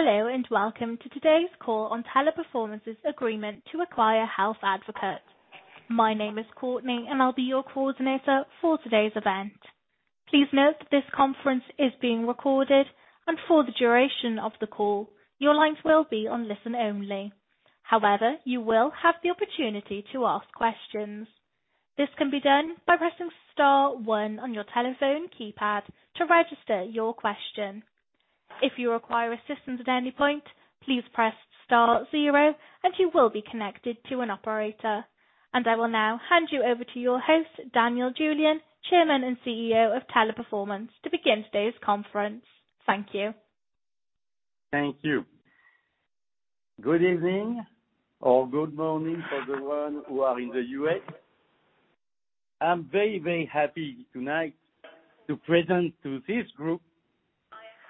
Hello, welcome to today's call on Teleperformance's Agreement to Acquire Health Advocate. My name is Courtney, and I'll be your coordinator for today's event. Please note that this conference is being recorded, and for the duration of the call, your lines will be on listen only. However, you will have the opportunity to ask questions. This can be done by pressing *1 on your telephone keypad to register your question. If you require assistance at any point, please press *0 and you will be connected to an operator. I will now hand you over to your host, Daniel Julien, Chairman and CEO of Teleperformance, to begin today's conference. Thank you. Thank you. Good evening or good morning for the ones who are in the U.S. I'm very, very happy tonight to present to this group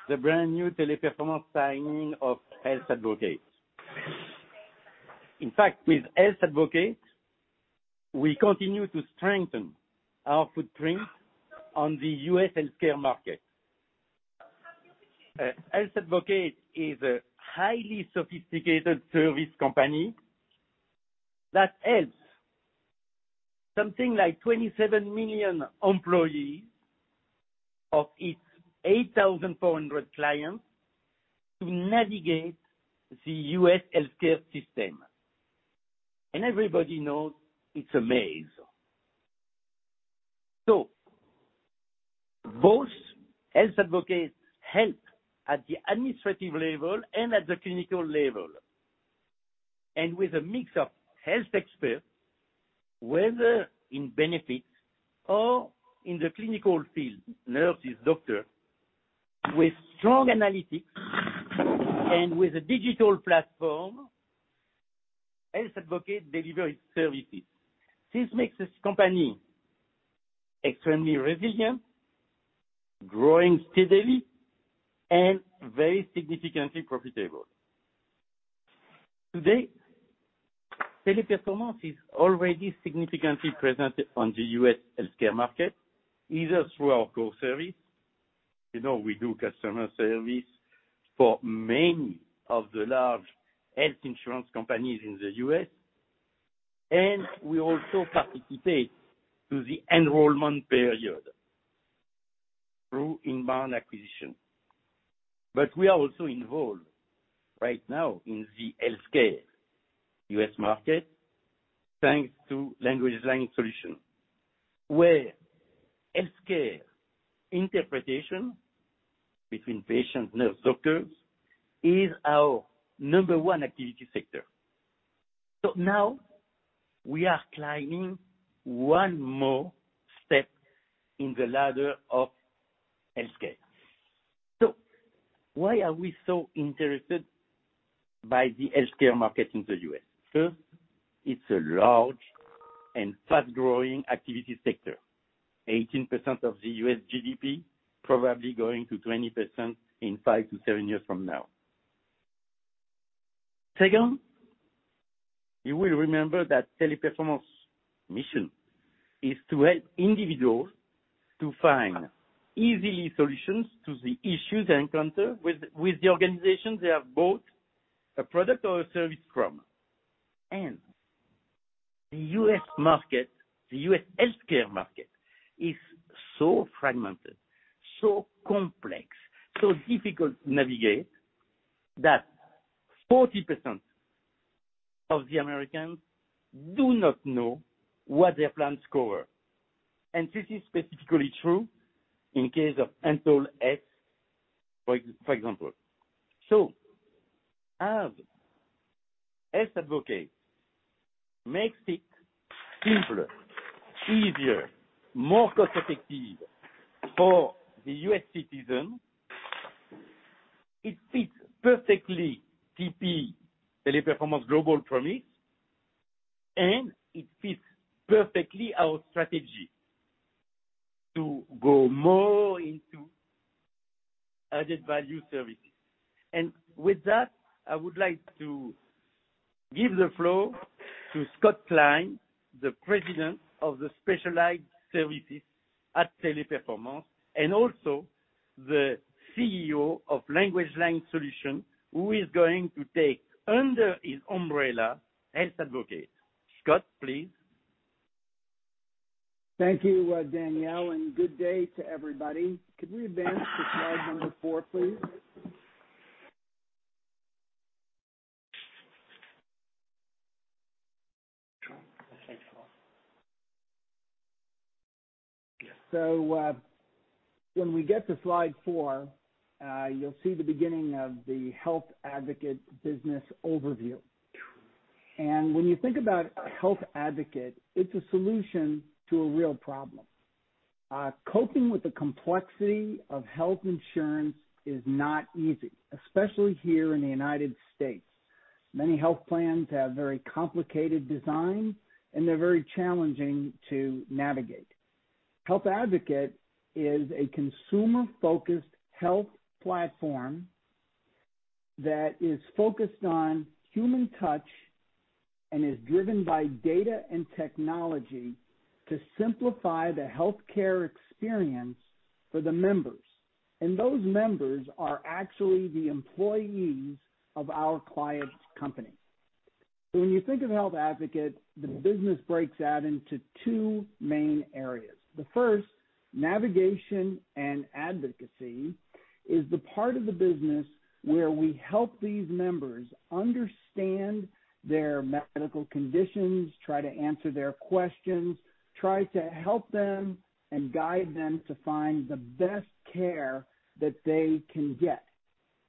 the brand-new Teleperformance signing of Health Advocate. With Health Advocate, we continue to strengthen our footprint on the U.S. healthcare market. Health Advocate is a highly sophisticated service company that helps something like 27 million employees of its 8,400 clients to navigate the U.S. healthcare system. Everybody knows it's a maze. Both Health Advocate help at the administrative level and at the clinical level. With a mix of health experts, whether in benefits or in the clinical field, nurses, doctors, with strong analytics and with a digital platform, Health Advocate delivers services. This makes this company extremely resilient, growing steadily, and very significantly profitable. Today, Teleperformance is already significantly present on the U.S. healthcare market, either through our core service, you know we do customer service for many of the large health insurance companies in the U.S., and we also participate to the enrollment period through inbound acquisition. We are also involved right now in the healthcare U.S. market, thanks to LanguageLine Solutions, where healthcare interpretation between patients, nurses, doctors is our number 1 activity sector. Now we are climbing one more step in the ladder of healthcare. Why are we so interested by the healthcare market in the U.S.? First, it's a large and fast-growing activity sector. 18% of the U.S. GDP, probably going to 20% in 5-7 years from now. Second, you will remember that Teleperformance mission is to help individuals to find easy solutions to the issues they encounter with the organization they have bought a product or a service from. The U.S. market, the U.S. healthcare market, is so fragmented, so complex, so difficult to navigate, that 40% of the Americans do not know what their plans cover. This is specifically true in case of Anthem X, for example. As Health Advocate makes it simpler, easier, more cost-effective for the U.S. citizen, it fits perfectly TP, Teleperformance global promise, and it fits perfectly our strategy to go more into added-value services. With that, I would like to give the floor to Scott Klein, the President of the Specialized Services at Teleperformance, and also the CEO of LanguageLine Solutions, who is going to take under his umbrella Health Advocate. Scott, please. Thank you, Daniel, and good day to everybody. Could we advance to slide 4, please? When we get to slide 4, you'll see the beginning of the Health Advocate business overview. When you think about Health Advocate, it's a solution to a real problem. Coping with the complexity of health insurance is not easy, especially here in the U.S. Many health plans have very complicated design, and they're very challenging to navigate. Health Advocate is a consumer-focused health platform that is focused on human touch and is driven by data and technology to simplify the healthcare experience for the members. Those members are actually the employees of our client's company. When you think of Health Advocate, the business breaks out into two main areas. The first, navigation and advocacy, is the part of the business where we help these members understand their medical conditions, try to answer their questions, try to help them and guide them to find the best care that they can get.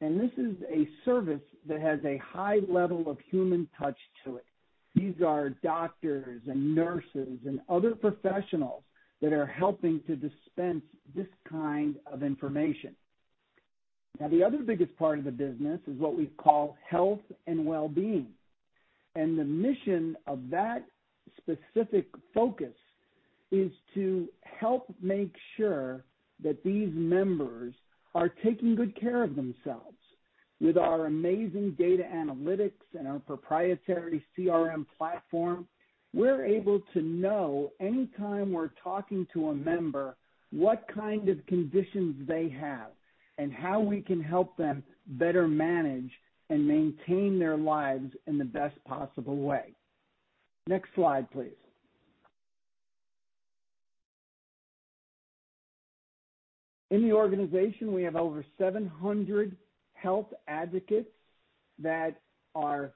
This is a service that has a high level of human touch to it. These are doctors and nurses and other professionals that are helping to dispense this kind of information. Now, the other biggest part of the business is what we call Health and Wellbeing. The mission of that specific focus is to help make sure that these members are taking good care of themselves. With our amazing data analytics and our proprietary CRM platform, we're able to know anytime we're talking to a member, what kind of conditions they have and how we can help them better manage and maintain their lives in the best possible way. Next slide, please. In the organization, we have over 700 Health Advocates that are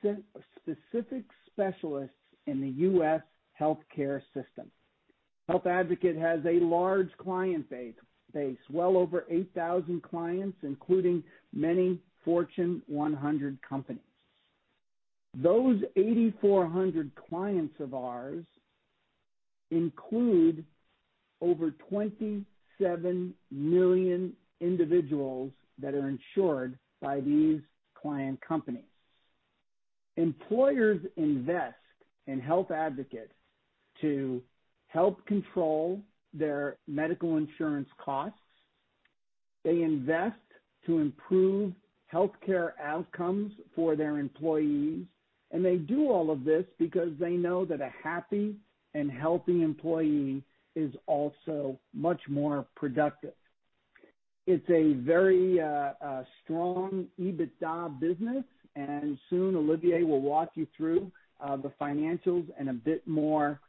specific specialists in the U.S. healthcare system. Health Advocate has a large client base, well over 8,000 clients, including many Fortune 100 companies. Those 8,400 clients of ours include over 27 million individuals that are insured by these client companies. Employers invest in Health Advocates to help control their medical insurance costs. They invest to improve healthcare outcomes for their employees, they do all of this because they know that a happy and healthy employee is also much more productive. It's a very strong EBITDA business. Soon Olivier will walk you through the financials in a bit more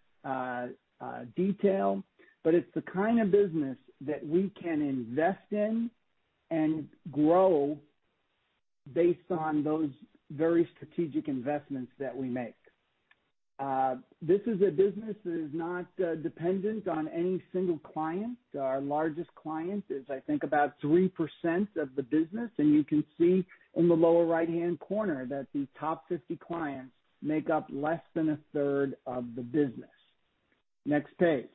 detail. It's the kind of business that we can invest in and grow based on those very strategic investments that we make. This is a business that is not dependent on any single client. Our largest client is, I think, about 3% of the business. You can see in the lower right-hand corner that the top 50 clients make up less than a third of the business. Next page.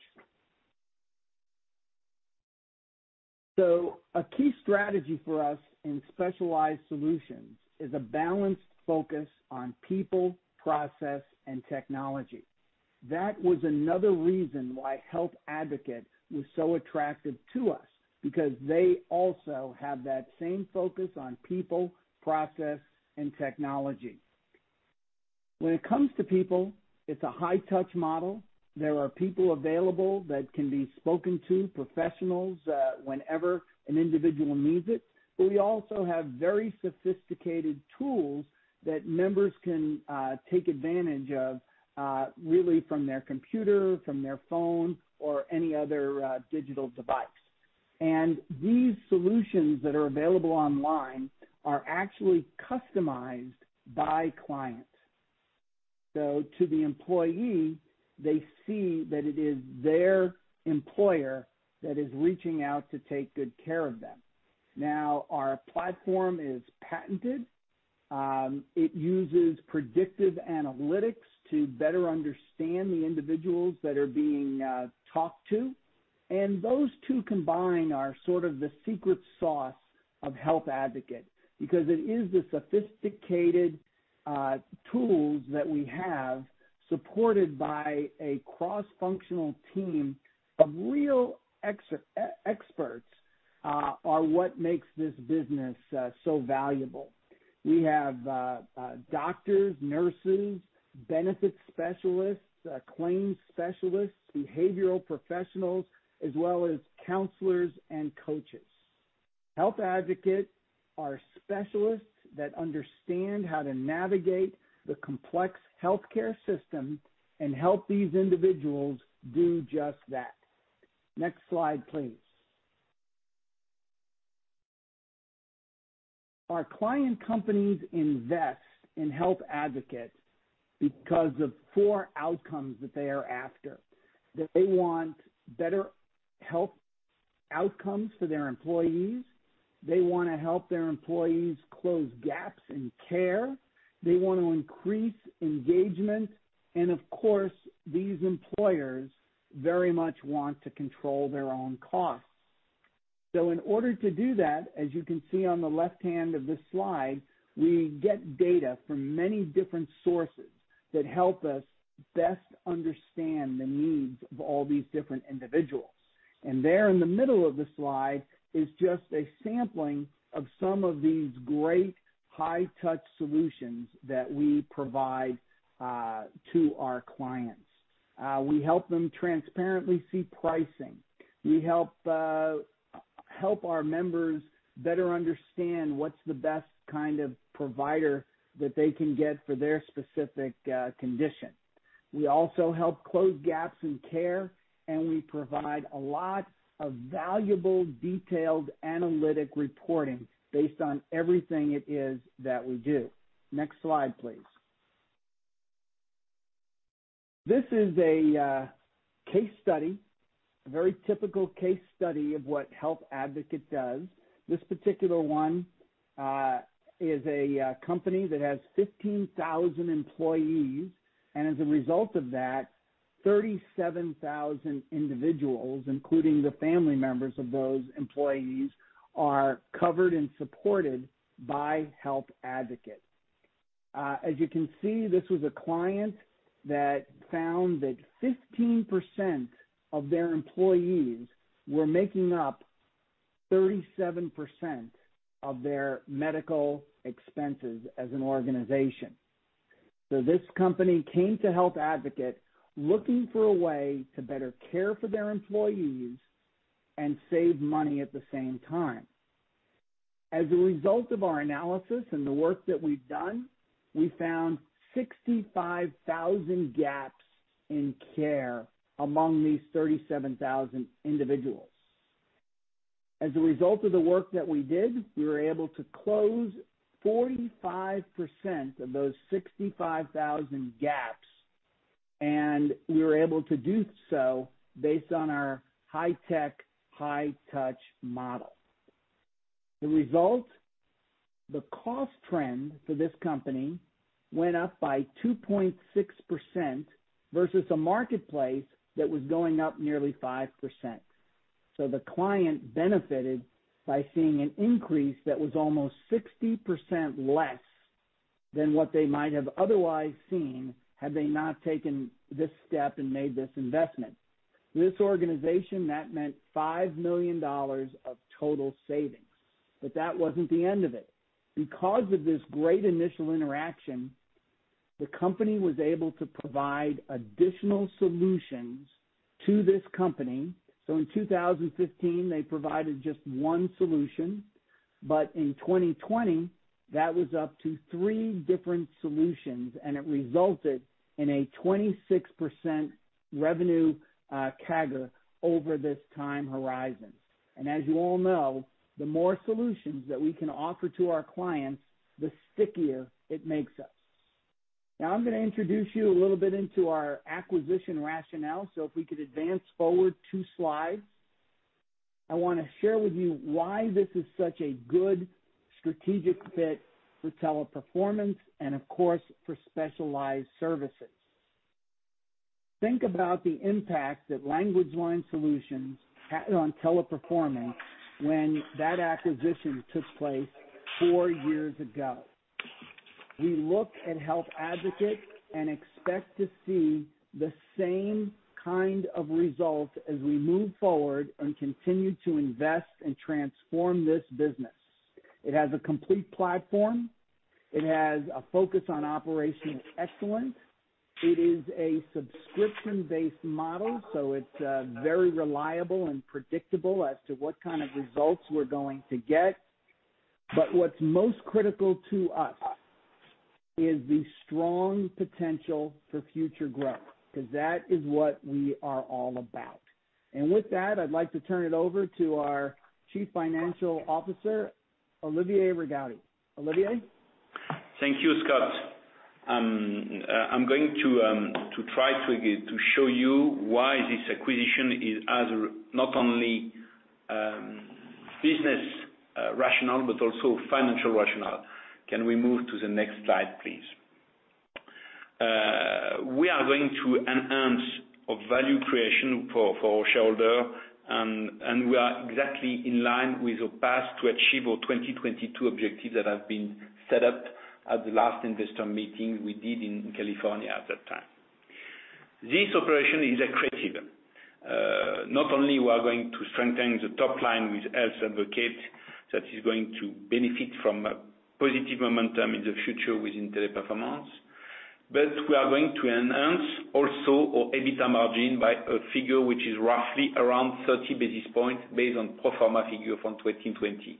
A key strategy for us in specialized solutions is a balanced focus on people, process, and technology. That was another reason why Health Advocate was so attractive to us, because they also have that same focus on people, process, and technology. When it comes to people, it's a high-touch model. There are people available that can be spoken to, professionals, whenever an individual needs it. We also have very sophisticated tools that members can take advantage of, really from their computer, from their phone, or any other digital device. These solutions that are available online are actually customized by clients. To the employee, they see that it is their employer that is reaching out to take good care of them. Now, our platform is patented. It uses predictive analytics to better understand the individuals that are being talked to. Those two combined are sort of the secret sauce of Health Advocate, because it is the sophisticated tools that we have, supported by a cross-functional team of real experts, are what makes this business so valuable. We have doctors, nurses, benefits specialists, claims specialists, behavioral professionals, as well as counselors and coaches. Health Advocate are specialists that understand how to navigate the complex healthcare system and help these individuals do just that. Next slide, please. Our client companies invest in Health Advocate because of four outcomes that they are after. They want better health outcomes for their employees, they want to help their employees close gaps in care, they want to increase engagement, of course, these employers very much want to control their own costs. In order to do that, as you can see on the left hand of this slide, we get data from many different sources that help us best understand the needs of all these different individuals. There in the middle of the slide is just a sampling of some of these great high-touch solutions that we provide to our clients. We help them transparently see pricing. We help our members better understand what's the best kind of provider that they can get for their specific condition. We also help close gaps in care, and we provide a lot of valuable, detailed analytic reporting based on everything it is that we do. Next slide, please. This is a case study, a very typical case study of what Health Advocate does. This particular one is a company that has 15,000 employees, and as a result of that, 37,000 individuals, including the family members of those employees, are covered and supported by Health Advocate. As you can see, this was a client that found that 15% of their employees were making up 37% of their medical expenses as an organization. This company came to Health Advocate looking for a way to better care for their employees and save money at the same time. As a result of our analysis and the work that we've done, we found 65,000 gaps in care among these 37,000 individuals. As a result of the work that we did, we were able to close 45% of those 65,000 gaps, and we were able to do so based on our high-tech, high-touch model. The result, the cost trend for this company went up by 2.6% versus a marketplace that was going up nearly 5%. The client benefited by seeing an increase that was almost 60% less than what they might have otherwise seen had they not taken this step and made this investment. For this organization, that meant EUR 5 million of total savings, but that wasn't the end of it. Because of this great initial interaction, the company was able to provide additional solutions to this company. In 2015, they provided just one solution, but in 2020, that was up to three different solutions, and it resulted in a 26% revenue CAGR over this time horizon. As you all know, the more solutions that we can offer to our clients, the stickier it makes us. Now I'm going to introduce you a little bit into our acquisition rationale. If we could advance forward two slides. I want to share with you why this is such a good strategic fit for Teleperformance and of course, for Specialized Services. Think about the impact that LanguageLine Solutions had on Teleperformance when that acquisition took place four years ago. We look at Health Advocate and expect to see the same kind of results as we move forward and continue to invest and transform this business. It has a complete platform. It has a focus on operational excellence. It is a subscription-based model, so it's very reliable and predictable as to what kind of results we're going to get. What's most critical to us is the strong potential for future growth, because that is what we are all about. With that, I'd like to turn it over to our Chief Financial Officer, Olivier Rigaudy. Olivier? Thank you, Scott. I'm going to try to show you why this acquisition is as not only business rationale but also financial rationale. Can we move to the next slide, please? We are exactly in line with the path to achieve our 2022 objectives that have been set up at the last investor meeting we did in California at that time. This operation is accretive. Not only we are going to strengthen the top line with Health Advocate, that is going to benefit from a positive momentum in the future within Teleperformance, but we are going to enhance also our EBITDA margin by a figure which is roughly around 30 basis points based on pro forma figure from 2020.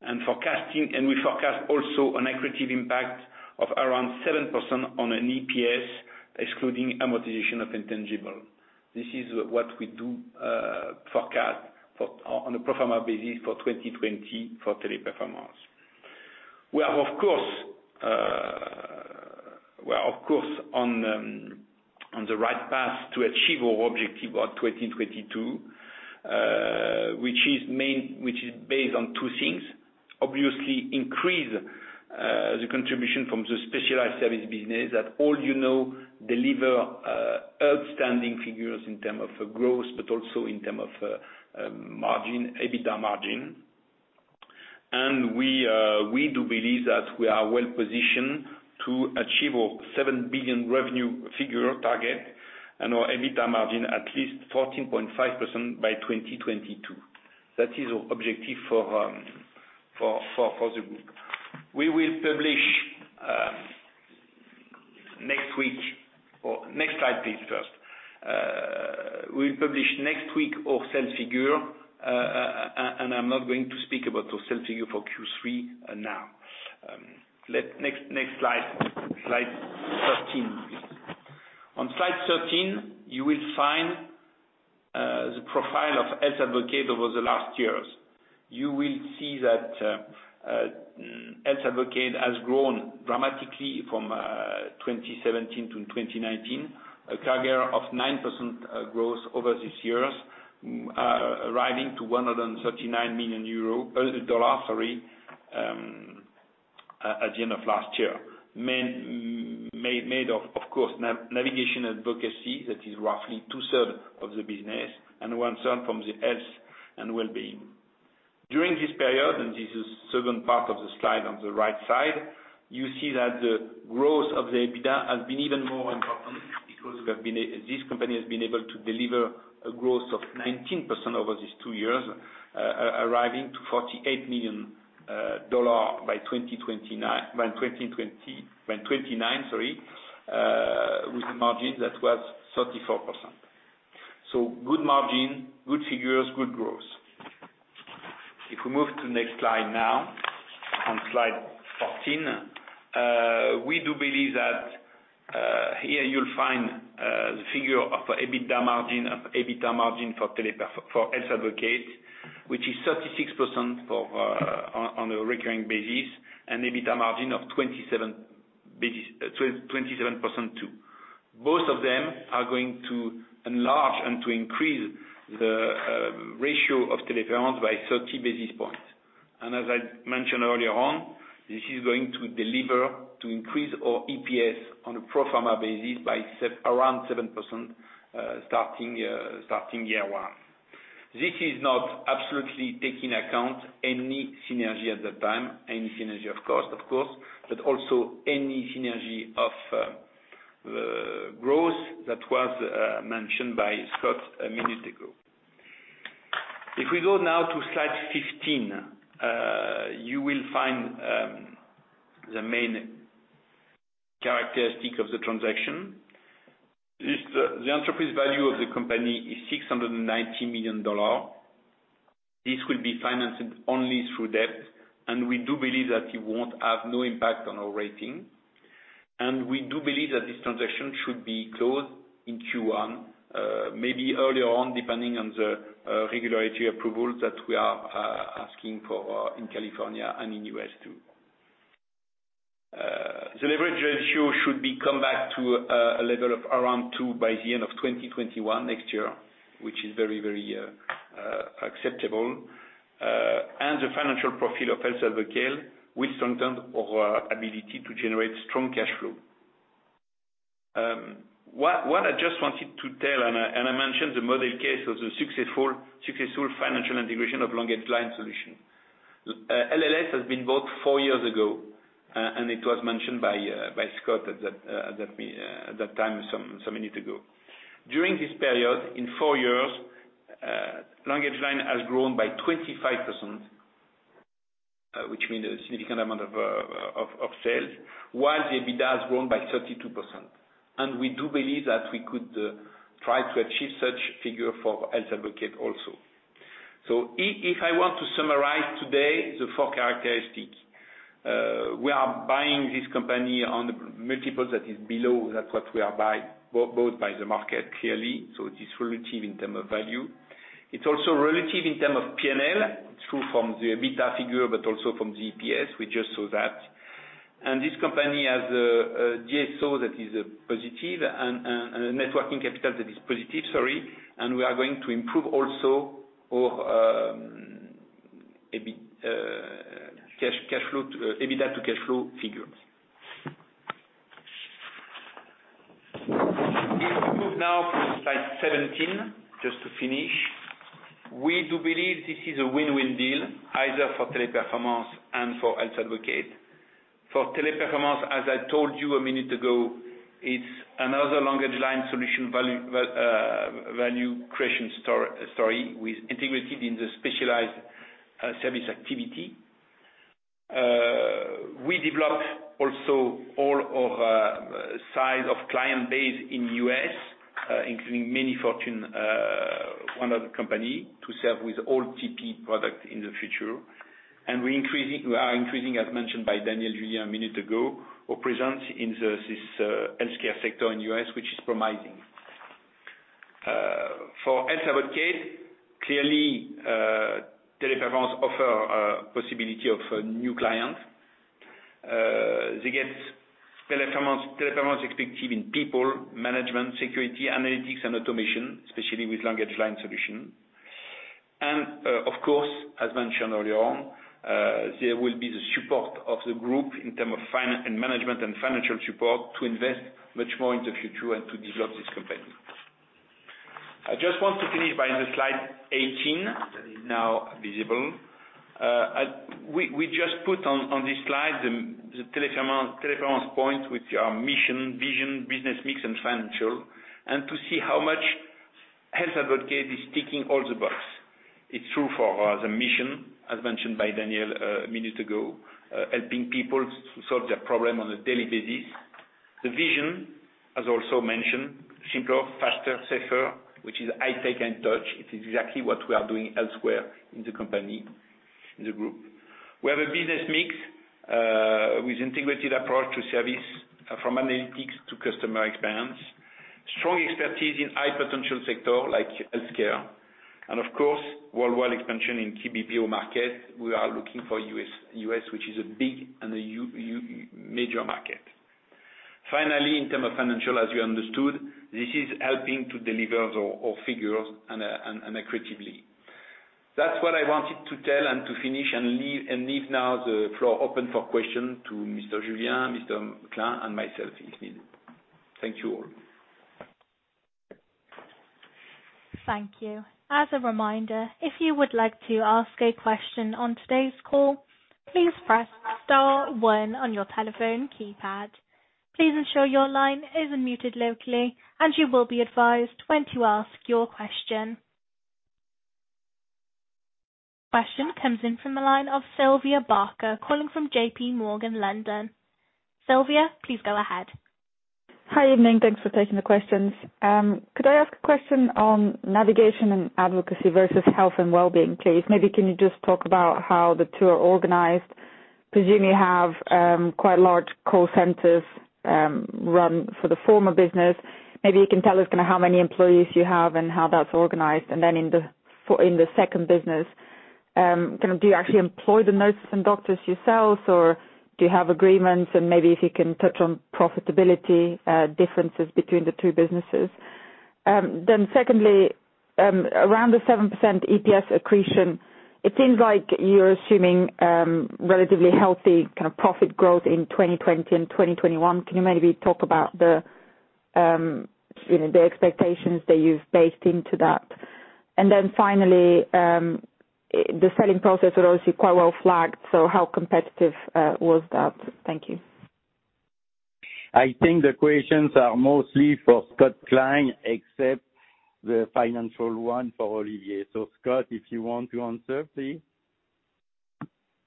We forecast also an accretive impact of around 7% on an EPS excluding amortization of intangible. This is what we do forecast on a pro forma basis for 2020 for Teleperformance. We are, of course, on the right path to achieve our objective of 2022, which is based on two things. Obviously, increase the contribution from the specialized service business that all you know deliver outstanding figures in terms of growth, but also in terms of EBITDA margin. We do believe that we are well-positioned to achieve our 7 billion revenue figure target and our EBITDA margin at least 14.5% by 2022. That is our objective for the group. We will publish next week. Next slide, please. We'll publish next week our sales figure, and I'm not going to speak about our sales figure for Q3 now. Next slide. Slide 13, please. On slide 13, you will find the profile of Health Advocate over the last years. You will see that Health Advocate has grown dramatically from 2017 to 2019, a CAGR of 9% growth over these years, arriving to EUR 139 million at the end of last year. Made of course, navigation advocacy, that is roughly two-third of the business, and one-third from the health and well-being. During this period, and this is second part of the slide on the right side, you see that the growth of the EBITDA has been even more important because this company has been able to deliver a growth of 19% over these two years, arriving to EUR 48 million by 2019, with a margin that was 34%. Good margin, good figures, good growth. If we move to next slide now, on slide 14. We do believe that here you'll find the figure of EBITDA margin for Health Advocate, which is 36% on a recurring basis and EBITDA margin of 27% too. Both of them are going to enlarge and to increase the ratio of Teleperformance by 30 basis points. As I mentioned earlier on, this is going to deliver to increase our EPS on a pro forma basis by around 7% starting year one. This is not absolutely taking account any synergy at that time, any synergy of course, but also any synergy of growth that was mentioned by Scott a minute ago. If we go now to slide 15, you will find the main characteristic of the transaction. The enterprise value of the company is $690 million. This will be financed only through debt, and we do believe that it won't have no impact on our rating. We do believe that this transaction should be closed in Q1, maybe earlier on, depending on the regulatory approval that we are asking for in California and in U.S. too. The leverage ratio should be come back to a level of around two by the end of 2021, next year, which is very acceptable. The financial profile of Health Advocate will strengthen our ability to generate strong cash flow. What I just wanted to tell, and I mentioned the model case of the successful financial integration of LanguageLine Solutions. LLS has been bought four years ago, and it was mentioned by Scott at that time some minute ago. During this period, in four years, LanguageLine has grown by 25%, which means a significant amount of sales, while the EBITDA has grown by 32%. We do believe that we could try to achieve such figure for Health Advocate also. If I want to summarize today the four characteristics. We are buying this company on the multiple that is below that what we are bought by the market, clearly. It is relative in term of value. It's also relative in term of P&L. True from the EBITDA figure, but also from the EPS. We just saw that. This company has a DSO that is positive and a net working capital that is positive, sorry. We are going to improve also our EBITDA to cash flow figures. If we move now to slide 17, just to finish. We do believe this is a win-win deal, either for Teleperformance and for Health Advocate. For Teleperformance, as I told you a minute ago, it's another LanguageLine Solutions value creation story with integrated in the Specialized Services activity. We develop also all of our size of client base in U.S., including many Fortune 100 company to serve with all TP product in the future. We are increasing, as mentioned by Daniel Julien a minute ago, our presence in this healthcare sector in U.S., which is promising. For Health Advocate, clearly, Teleperformance offer a possibility of new client. They get Teleperformance expertise in people, management, security, analytics, and automation, especially with LanguageLine Solutions. Of course, as mentioned earlier on, there will be the support of the group in term of management and financial support to invest much more in the future and to develop this company. I just want to finish by the slide 18 that is now visible. We just put on this slide the Teleperformance points with our mission, vision, business mix, and financial, to see how much Health Advocate is ticking all the boxes. It's true for the mission, as mentioned by Daniel a minute ago, helping people to solve their problem on a daily basis. The vision, as also mentioned, simpler, faster, safer, which is high-tech and touch. It's exactly what we are doing elsewhere in the company, in the group. We have a business mix, with integrated approach to service from analytics to customer experience. Strong expertise in high potential sector like healthcare, of course, worldwide expansion in BPO market. We are looking for U.S., which is a big and a major market. Finally, in term of financial, as you understood, this is helping to deliver our figures and accretively. That's what I wanted to tell and to finish and leave now the floor open for question to Mr. Julien, Mr. Klein, and myself, if needed. Thank you all. Thank you. As a reminder, if you would like to ask a question on today's call, please press *1 on your telephone keypad. Please ensure your line is unmuted locally, and you will be advised when to ask your question. Question comes in from the line of Sylvia Barker, calling from JPMorgan London. Sylvia, please go ahead. Hi, evening. Thanks for taking the questions. Could I ask a question on navigation and advocacy versus health and wellbeing, please? Maybe can you just talk about how the two are organized? Presume you have quite large call centers run for the former business. Maybe you can tell us how many employees you have and how that's organized, and then in the second business, do you actually employ the nurses and doctors yourselves or do you have agreements and maybe if you can touch on profitability, differences between the two businesses. Secondly, around the 7% EPS accretion, it seems like you're assuming relatively healthy profit growth in 2020 and 2021. Can you maybe talk about the expectations that you've based into that? Finally, the selling process was obviously quite well flagged, so how competitive was that? Thank you. I think the questions are mostly for Scott Klein, except the financial one for Olivier. Scott, if you want to answer, please.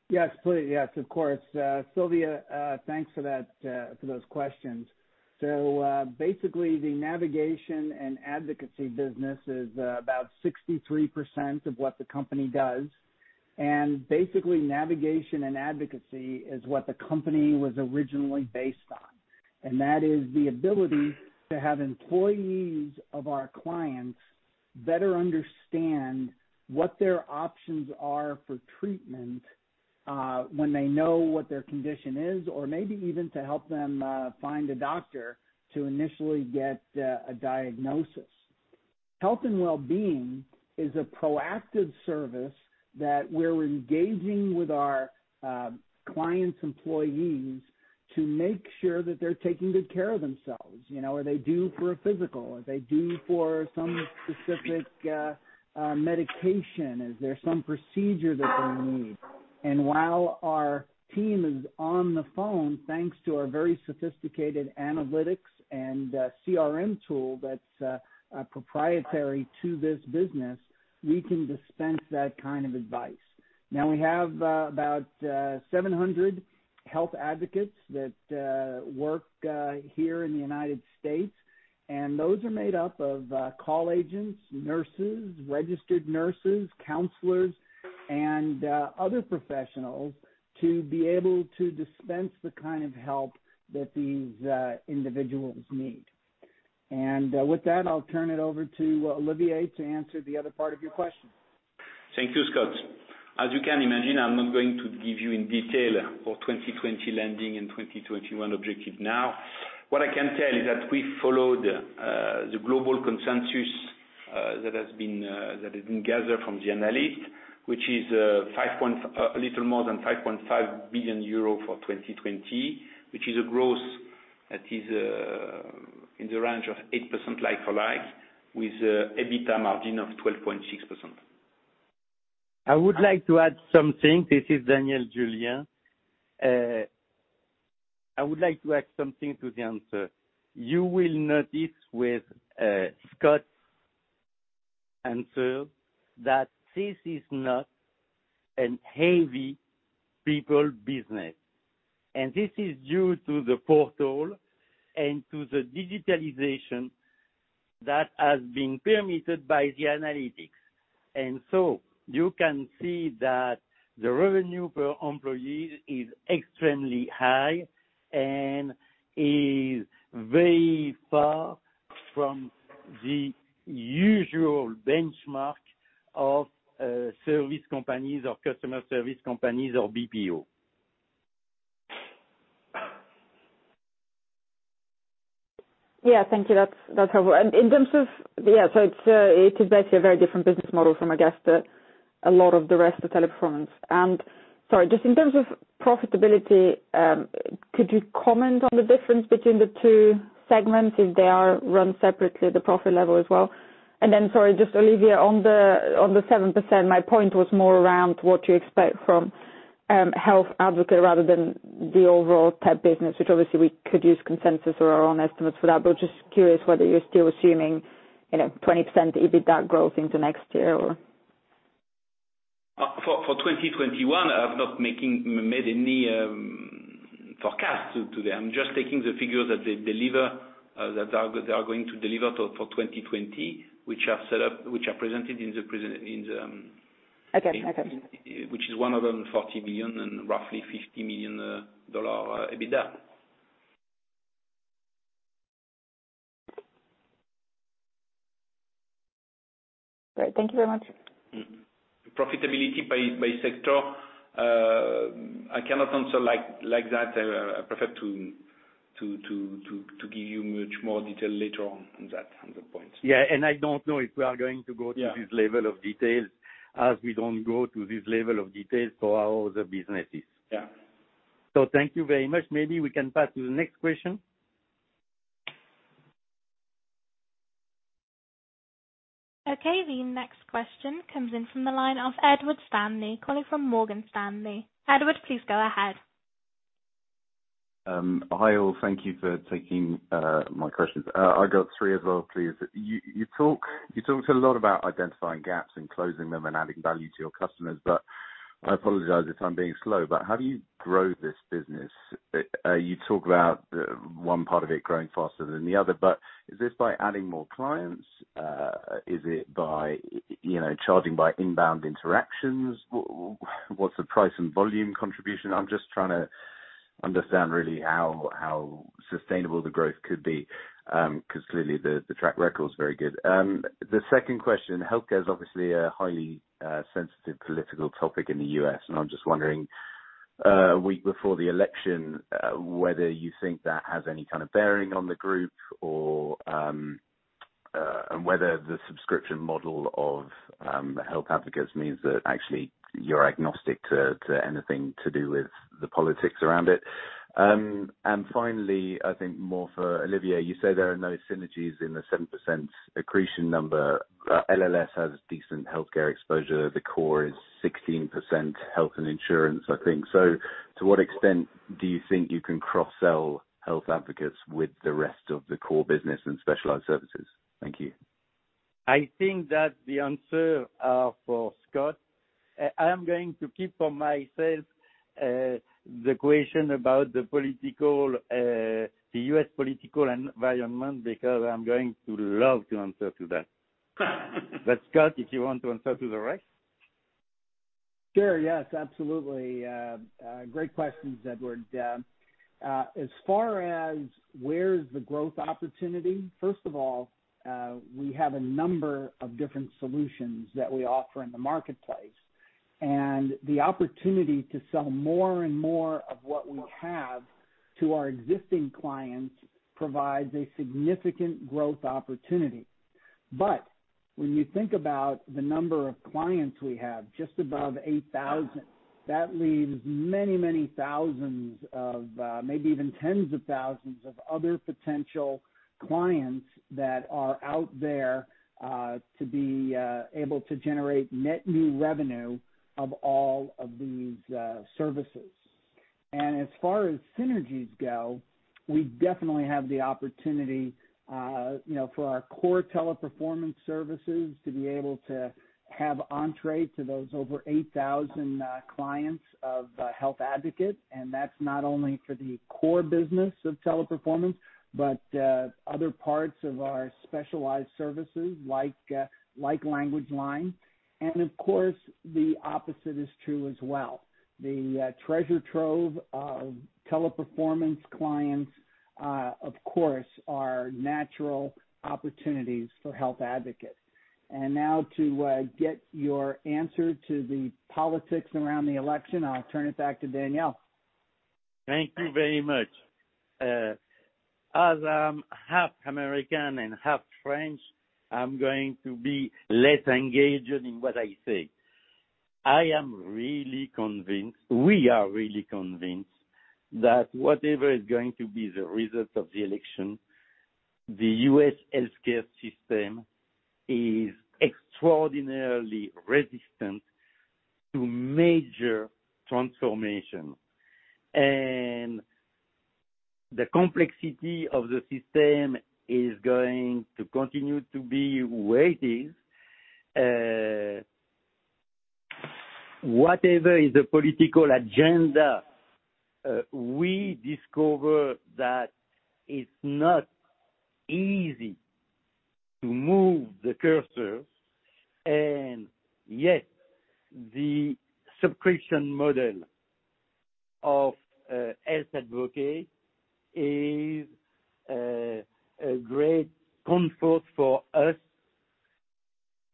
Yes, please. Yes, of course. Sylvia, thanks for those questions. Basically, the navigation and advocacy business is about 63% of what the company does. Basically, navigation and advocacy is what the company was originally based on, and that is the ability to have employees of our clients better understand what their options are for treatment, when they know what their condition is, or maybe even to help them find a doctor to initially get a diagnosis. Health and wellbeing is a proactive service that we're engaging with our clients' employees to make sure that they're taking good care of themselves. Are they due for a physical? Are they due for some specific medication? Is there some procedure that they need? While our team is on the phone, thanks to our very sophisticated analytics and CRM tool that's proprietary to this business, we can dispense that kind of advice. Now we have about 700 health advocates that work here in the U.S., and those are made up of call agents, nurses, registered nurses, counselors, and other professionals to be able to dispense the kind of help that these individuals need. With that, I'll turn it over to Olivier to answer the other part of your question. Thank you, Scott. As you can imagine, I'm not going to give you in detail our 2020 landing and 2021 objective now. What I can tell you that we followed the global consensus that has been gathered from the analyst, which is a little more than 5.5 billion euro for 2020, which is a growth that is in the range of 8% like for like, with an EBITDA margin of 12.6%. I would like to add something. This is Daniel Julien. I would like to add something to the answer. You will notice with Scott's answer that this is not a heavy people business. This is due to the portal and to the digitalization that has been permitted by the analytics. You can see that the revenue per employee is extremely high and is very far from the usual benchmark of service companies or customer service companies or BPO. Thank you. That's helpful. It is basically a very different business model from, I guess a lot of the rest of Teleperformance. Sorry, just in terms of profitability, could you comment on the difference between the two segments if they are run separately, the profit level as well? Then sorry, just Olivier, on the 7%, my point was more around what you expect from Health Advocate rather than the overall tech business, which obviously we could use consensus or our own estimates for that. Just curious whether you're still assuming 20% EBITDA growth into next year. For 2021, I've not made any forecasts today. I'm just taking the figures that they deliver, that they are going to deliver for 2020, which are presented in the. Okay. Which is 140 million and roughly EUR 50 million EBITDA. Great. Thank you very much. Profitability by sector, I cannot answer like that. I prefer to give you much more detail later on that point. I don't know if we are going to go to this level of detail, as we don't go to this level of detail for our other businesses. Yeah. Thank you very much. Maybe we can pass to the next question. Okay, the next question comes in from the line of Edward Stanley, calling from Morgan Stanley. Edward, please go ahead. Hi all. Thank you for taking my questions. I got three as well, please. You talked a lot about identifying gaps and closing them and adding value to your customers, but I apologize if I'm being slow, but how do you grow this business? You talk about one part of it growing faster than the other, but is this by adding more clients? Is it by charging by inbound interactions? What's the price and volume contribution? I'm just trying to understand really how sustainable the growth could be, because clearly the track record is very good. The second question, healthcare is obviously a highly sensitive political topic in the U.S., and I'm just wondering, a week before the election, whether you think that has any kind of bearing on the group or and whether the subscription model of Health Advocate means that actually you're agnostic to anything to do with the politics around it. Finally, I think more for Olivier, you say there are no synergies in the 7% accretion number. LLS has decent healthcare exposure. The core is 16% health and insurance, I think. To what extent do you think you can cross-sell Health Advocate with the rest of the core business and specialized services? Thank you. I think that the answer are for Scott. I am going to keep for myself, the question about the U.S. political environment, because I'm going to love to answer to that. Scott, if you want to answer to the rest. Sure. Yes, absolutely. Great questions, Edward. As far as where is the growth opportunity, first of all, we have a number of different solutions that we offer in the marketplace. The opportunity to sell more and more of what we have to our existing clients provides a significant growth opportunity. When you think about the number of clients we have, just above 8,000, that leaves many, many thousands of, maybe even tens of thousands of other potential clients that are out there, to be able to generate net new revenue of all of these services. As far as synergies go, we definitely have the opportunity for our core Teleperformance services to be able to have entrée to those over 8,000 clients of Health Advocate. That's not only for the core business of Teleperformance, but other parts of our specialized services like LanguageLine. Of course, the opposite is true as well. The treasure trove of Teleperformance clients, of course, are natural opportunities for Health Advocate. Now to get your answer to the politics around the election, I'll turn it back to Daniel. Thank you very much. As I'm half U.S. and half French, I'm going to be less engaged in what I say. I am really convinced, we are really convinced that whatever is going to be the result of the election, the U.S. healthcare system is extraordinarily resistant to major transformation. The complexity of the system is going to continue to be weighted. Whatever is the political agenda, we discover that it's not easy to move the cursor. Yet, the subscription model of Health Advocate is a great comfort for us,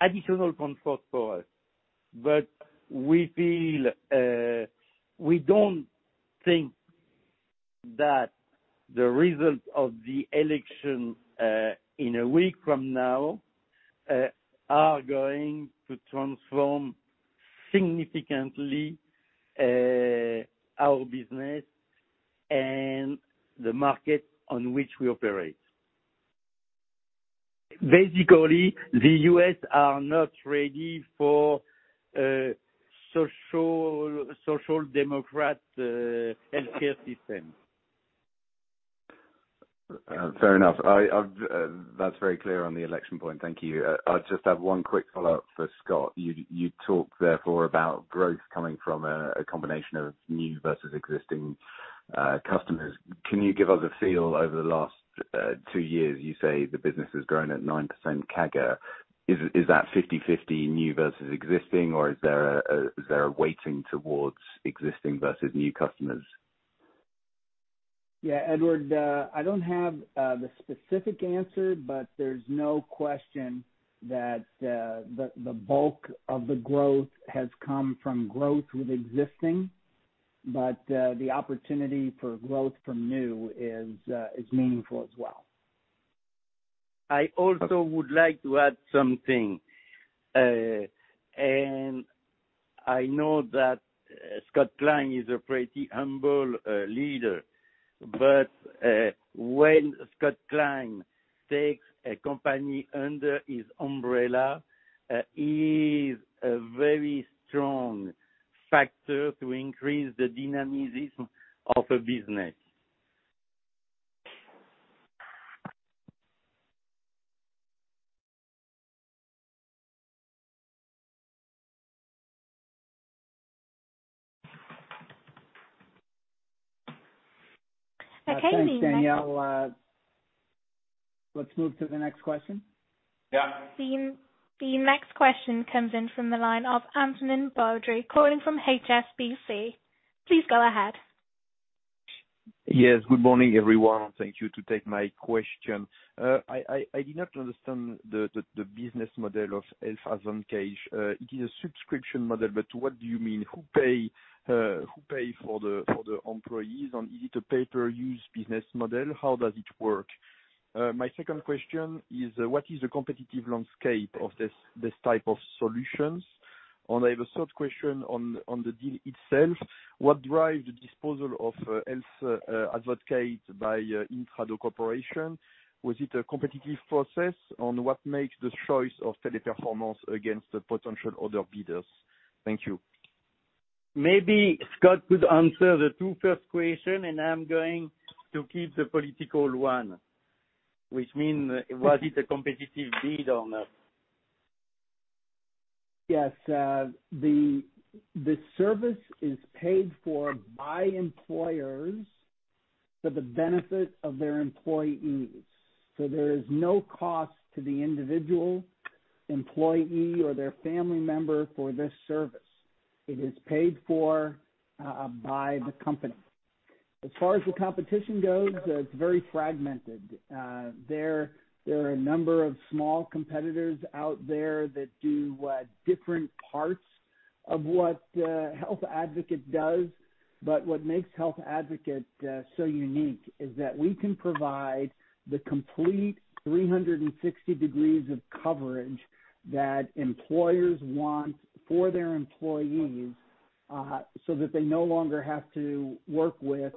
additional comfort for us. We feel, we don't think that the result of the election in a week from now are going to transform significantly our business and the market on which we operate. Basically, the U.S. are not ready for social democrat healthcare system. Fair enough. That's very clear on the election point. Thank you. I just have one quick follow-up for Scott. You talked therefore about growth coming from a combination of new versus existing customers. Can you give us a feel over the last two years? You say the business has grown at 9% CAGR. Is that 50/50 new versus existing, or is there a weighting towards existing versus new customers? Edward, I don't have the specific answer, but there's no question that the bulk of the growth has come from growth with existing. The opportunity for growth from new is meaningful as well. I also would like to add something. I know that Scott Klein is a pretty humble leader. When Scott Klein takes a company under his umbrella, he is a very strong factor to increase the dynamism of a business. Thanks, Daniel. Let's move to the next question. The next question comes in from the line of Antonin Baudry calling from HSBC. Please go ahead. Yes. Good morning, everyone. Thank you to take my question. I did not understand the business model of Health Advocate. It is a subscription model, but what do you mean? Who pay for the employees, and is it a pay per use business model? How does it work? My second question is, what is the competitive landscape of this type of solutions? I have a third question on the deal itself. What drive the disposal of Health Advocate by Intrado Corporation? Was it a competitive process on what makes the choice of Teleperformance against the potential other bidders? Thank you. Maybe Scott could answer the two first question, and I'm going to keep the political one, which mean was it a competitive bid or not? The service is paid for by employers for the benefit of their employees. There is no cost to the individual employee or their family member for this service. It is paid for by the company. As far as the competition goes, it's very fragmented. There are a number of small competitors out there that do different parts of what Health Advocate does. What makes Health Advocate so unique is that we can provide the complete 360 degrees of coverage that employers want for their employees, they no longer have to work with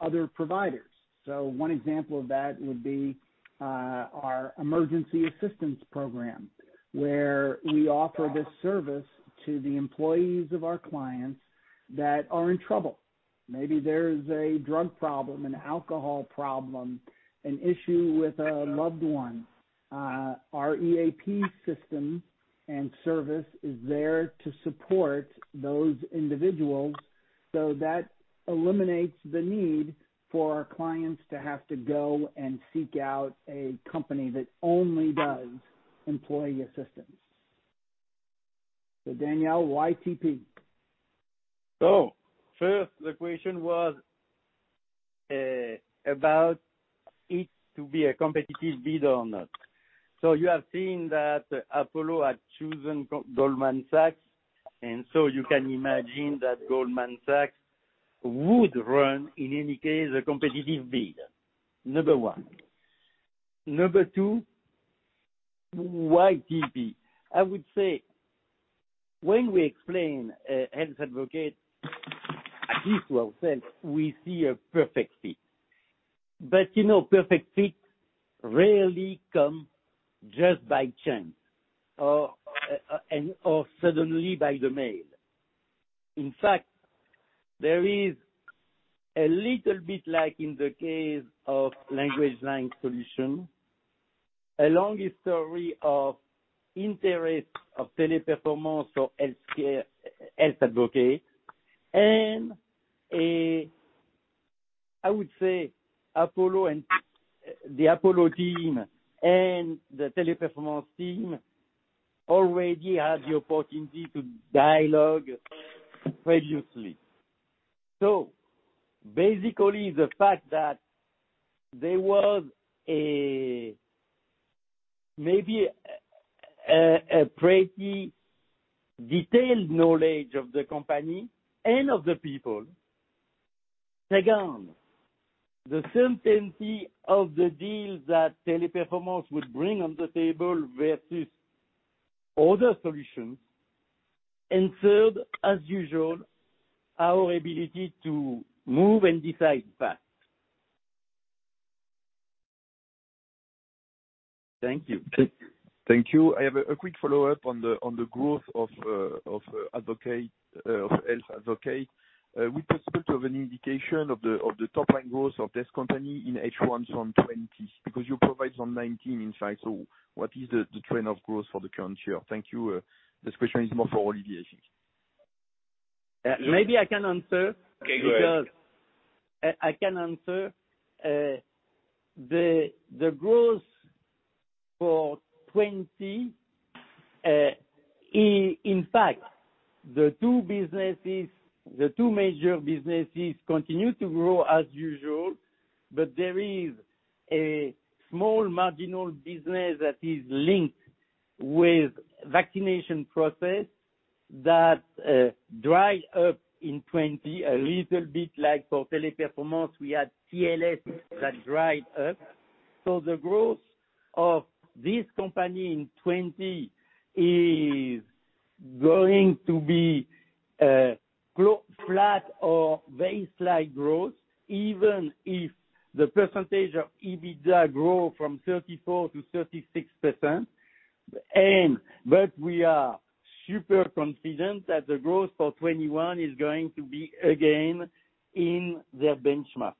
other providers. One example of that would be our emergency assistance program, where we offer this service to the employees of our clients that are in trouble. Maybe there's a drug problem, an alcohol problem, an issue with a loved one. Our EAP system and service is there to support those individuals, that eliminates the need for our clients to have to go and seek out a company that only does employee assistance. Daniel, why TP? First, the question was about it to be a competitive bid or not. You have seen that Apollo had chosen Goldman Sachs, and you can imagine that Goldman Sachs would run, in any case, a competitive bid. Number 1. Number 2, why TP? I would say when we explain Health Advocate, at least to ourselves, we see a perfect fit. Perfect fit rarely come just by chance or suddenly by the mail. In fact, there is a little bit like in the case of LanguageLine Solutions, a long history of interest of Teleperformance or Health Advocate, and I would say the Apollo team and the Teleperformance team already had the opportunity to dialogue previously. Basically, the fact that there was a pretty detailed knowledge of the company and of the people. Second, the certainty of the deal that Teleperformance would bring on the table versus other solutions. Third, as usual, our ability to move and decide fast. Thank you. Thank you. I have a quick follow-up on the growth of Health Advocate. Would it be possible to have an indication of the top-line growth of this company in H1 2020? You provide 2019 insight, so what is the trend of growth for the current year? Thank you. This question is more for Olivier, I think. Maybe I can answer. Okay, go ahead. I can answer. The growth for 2020, in fact, the two major businesses continue to grow as usual, but there is a small marginal business that is linked with vaccination process that dry up in 2020 a little bit like for Teleperformance, we had TLS that dried up. The growth of this company in 2020 is going to be flat or very slight growth, even if the percentage of EBITDA grow from 34% to 36%. We are super confident that the growth for 2021 is going to be, again, in their benchmark.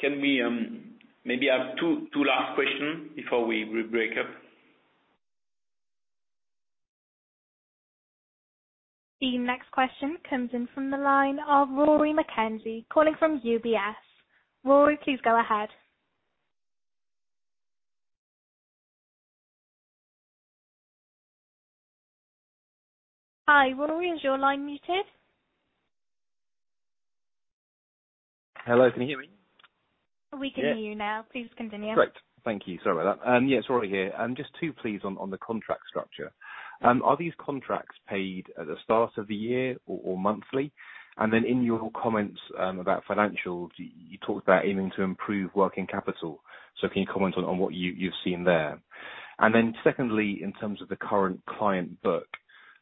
Can we maybe have two last questions before we break up? The next question comes in from the line of Rory McKenzie calling from UBS. Rory, please go ahead. Hi, Rory. Is your line muted? Hello, can you hear me? We can hear you now. Please continue. Great. Thank you. Sorry about that. It's Rory here. Just two, please, on the contract structure. Are these contracts paid at the start of the year or monthly? In your comments about financials, you talked about aiming to improve working capital. Can you comment on what you've seen there? Secondly, in terms of the current client book,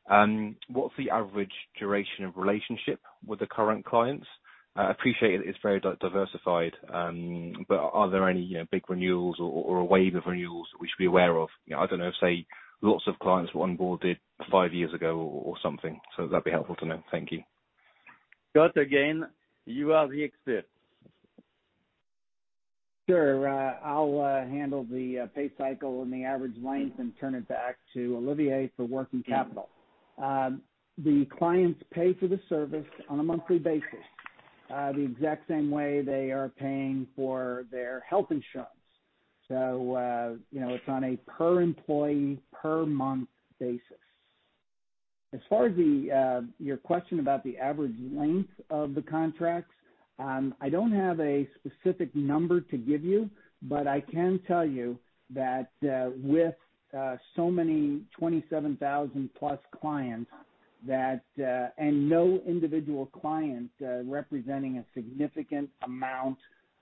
what's the average duration of relationship with the current clients? I appreciate that it's very diversified, are there any big renewals or a wave of renewals we should be aware of? I don't know if, say, lots of clients were onboarded five years ago or something. That'd be helpful to know. Thank you. Scott, again, you are the expert. Sure. I'll handle the pay cycle and the average length and turn it back to Olivier for working capital. The clients pay for the service on a monthly basis, the exact same way they are paying for their health insurance. It's on a per employee per month basis. As far as your question about the average length of the contracts, I don't have a specific number to give you, but I can tell you that with so many, 27,000 plus clients, and no individual client representing a significant amount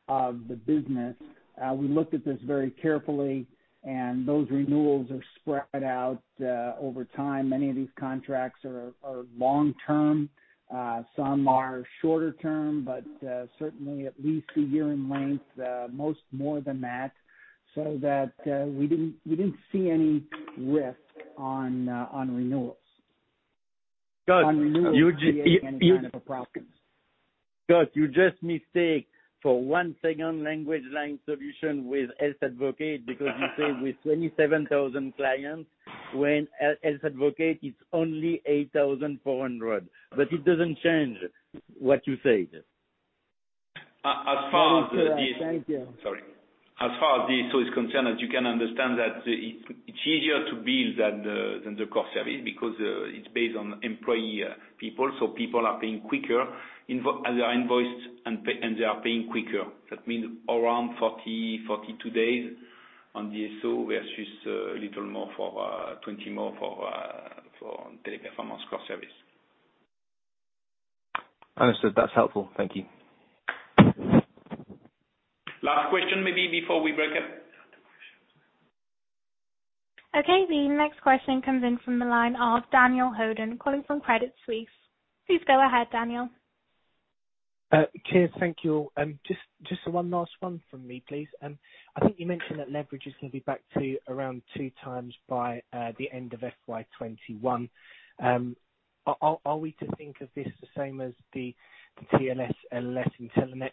of the business, we looked at this very carefully, and those renewals are spread out over time. Many of these contracts are long-term. Some are shorter term, but certainly at least one year in length, most more than that, so that we didn't see any risk on renewals. Scott- On renewals creating any kind of a problem. Scott, you just mistake for one second LanguageLine Solutions with Health Advocate, because you say with 27,000 clients, when Health Advocate is only 8,400. It doesn't change what you said. As far as the- Thank you. As far as DSO is concerned, as you can understand, that it's easier to build than the core service because it's based on employee people. People are paying quicker, as they are invoiced. That means around 42 days on DSO versus a little more, 20 more for Teleperformance core service. Understood. That's helpful. Thank you. Last question maybe before we break up. Okay, the next question comes in from the line of Daniel Hobden calling from Credit Suisse. Please go ahead, Daniel. Pierre, thank you. Just one last one from me, please. I think you mentioned that leverage is going to be back to around two times by the end of FY '21. Are we to think of this the same as the TLS, LLS, and Intelenet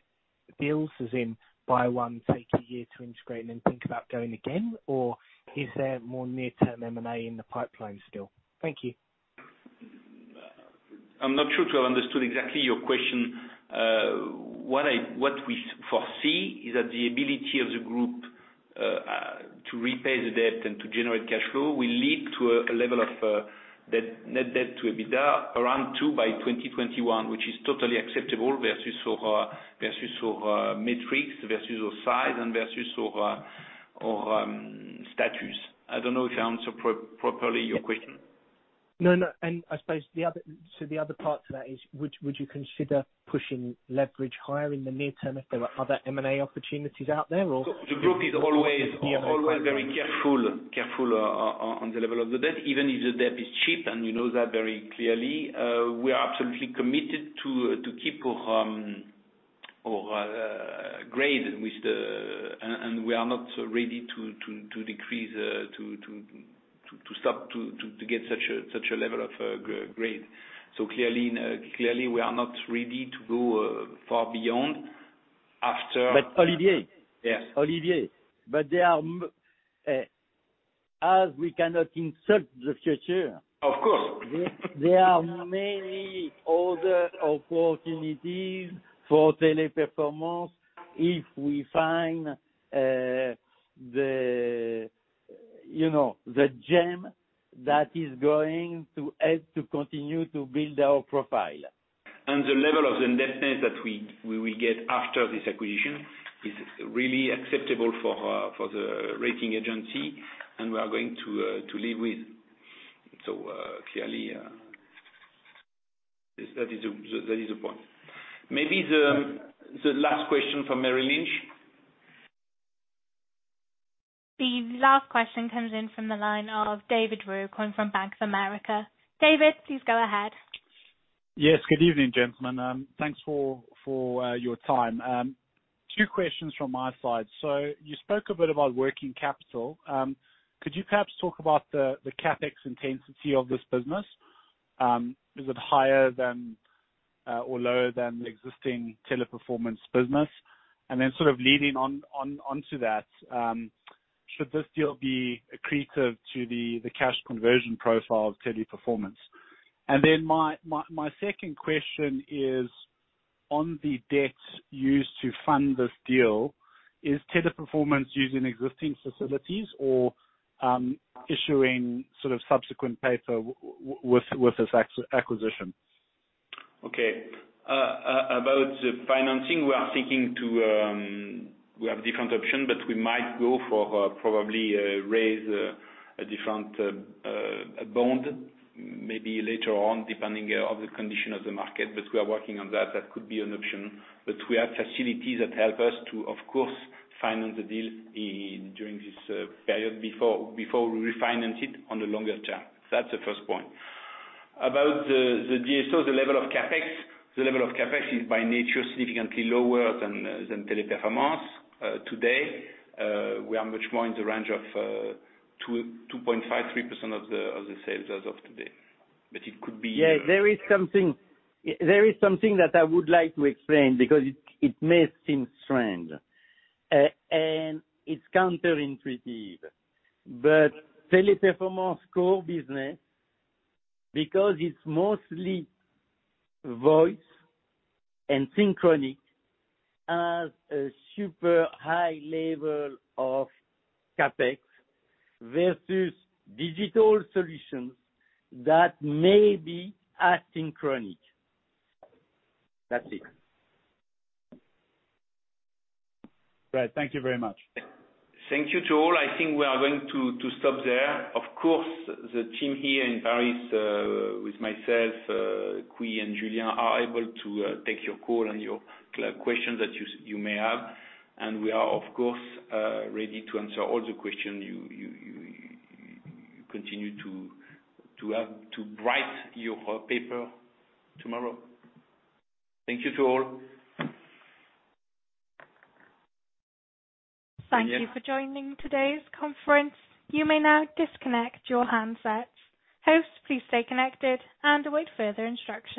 deals, as in buy one, take a year to integrate, and then think about going again? Is there more near-term M&A in the pipeline still? Thank you. I'm not sure to have understood exactly your question. What we foresee is that the ability of the group. To repay the debt and to generate cash flow will lead to a level of net debt to EBITDA around two by 2021, which is totally acceptable versus our metrics, versus our size and versus our status. I don't know if I answered properly your question. No, no. I suppose the other part to that is, would you consider pushing leverage higher in the near term if there are other M&A opportunities out there? The group is always very careful on the level of the debt, even if the debt is cheap, and you know that very clearly. We are absolutely committed to keep our grade, and we are not ready to decrease, to start to get such a level of grade. Clearly, we are not ready to go far beyond. Olivier. Yes. Olivier. As we cannot insert. Of course. There are many other opportunities for Teleperformance if we find the gem that is going to help to continue to build our profile. The level of the indebtedness that we will get after this acquisition is really acceptable for the rating agency, and we are going to live with. Clearly, that is the point. Maybe the last question from Merrill Lynch. The last question comes in from the line of David Roux calling from Bank of America. David, please go ahead. Yes. Good evening, gentlemen. Thanks for your time. Two questions from my side. You spoke a bit about working capital. Could you perhaps talk about the CapEx intensity of this business? Is it higher than or lower than the existing Teleperformance business? Then sort of leading onto that, should this deal be accretive to the cash conversion profile of Teleperformance? Then my second question is, on the debt used to fund this deal, is Teleperformance using existing facilities or issuing sort of subsequent paper with this acquisition? Okay. About the financing, we have different options, we might go for probably raise a different bond maybe later on, depending of the condition of the market. We are working on that. That could be an option. We have facilities that help us to, of course, finance the deal during this period before we refinance it on the longer term. That's the first point. About the DSO, the level of CapEx. The level of CapEx is by nature significantly lower than Teleperformance. Today, we are much more in the range of 2.5%-3% of the sales as of today. It could be. Yeah, there is something that I would like to explain because it may seem strange. It's counterintuitive. Teleperformance core business, because it's mostly voice and synchronic, has a super high level of CapEx versus digital solutions that may be asynchronic. That's it. Right. Thank you very much. Thank you to all. I think we are going to stop there. Of course, the team here in Paris, with myself, Quy, and Julien, are able to take your call and your questions that you may have. We are, of course, ready to answer all the questions you continue to have to write your paper tomorrow. Thank you to all. Thank you for joining today's conference. You may now disconnect your handsets. Hosts, please stay connected and await further instructions.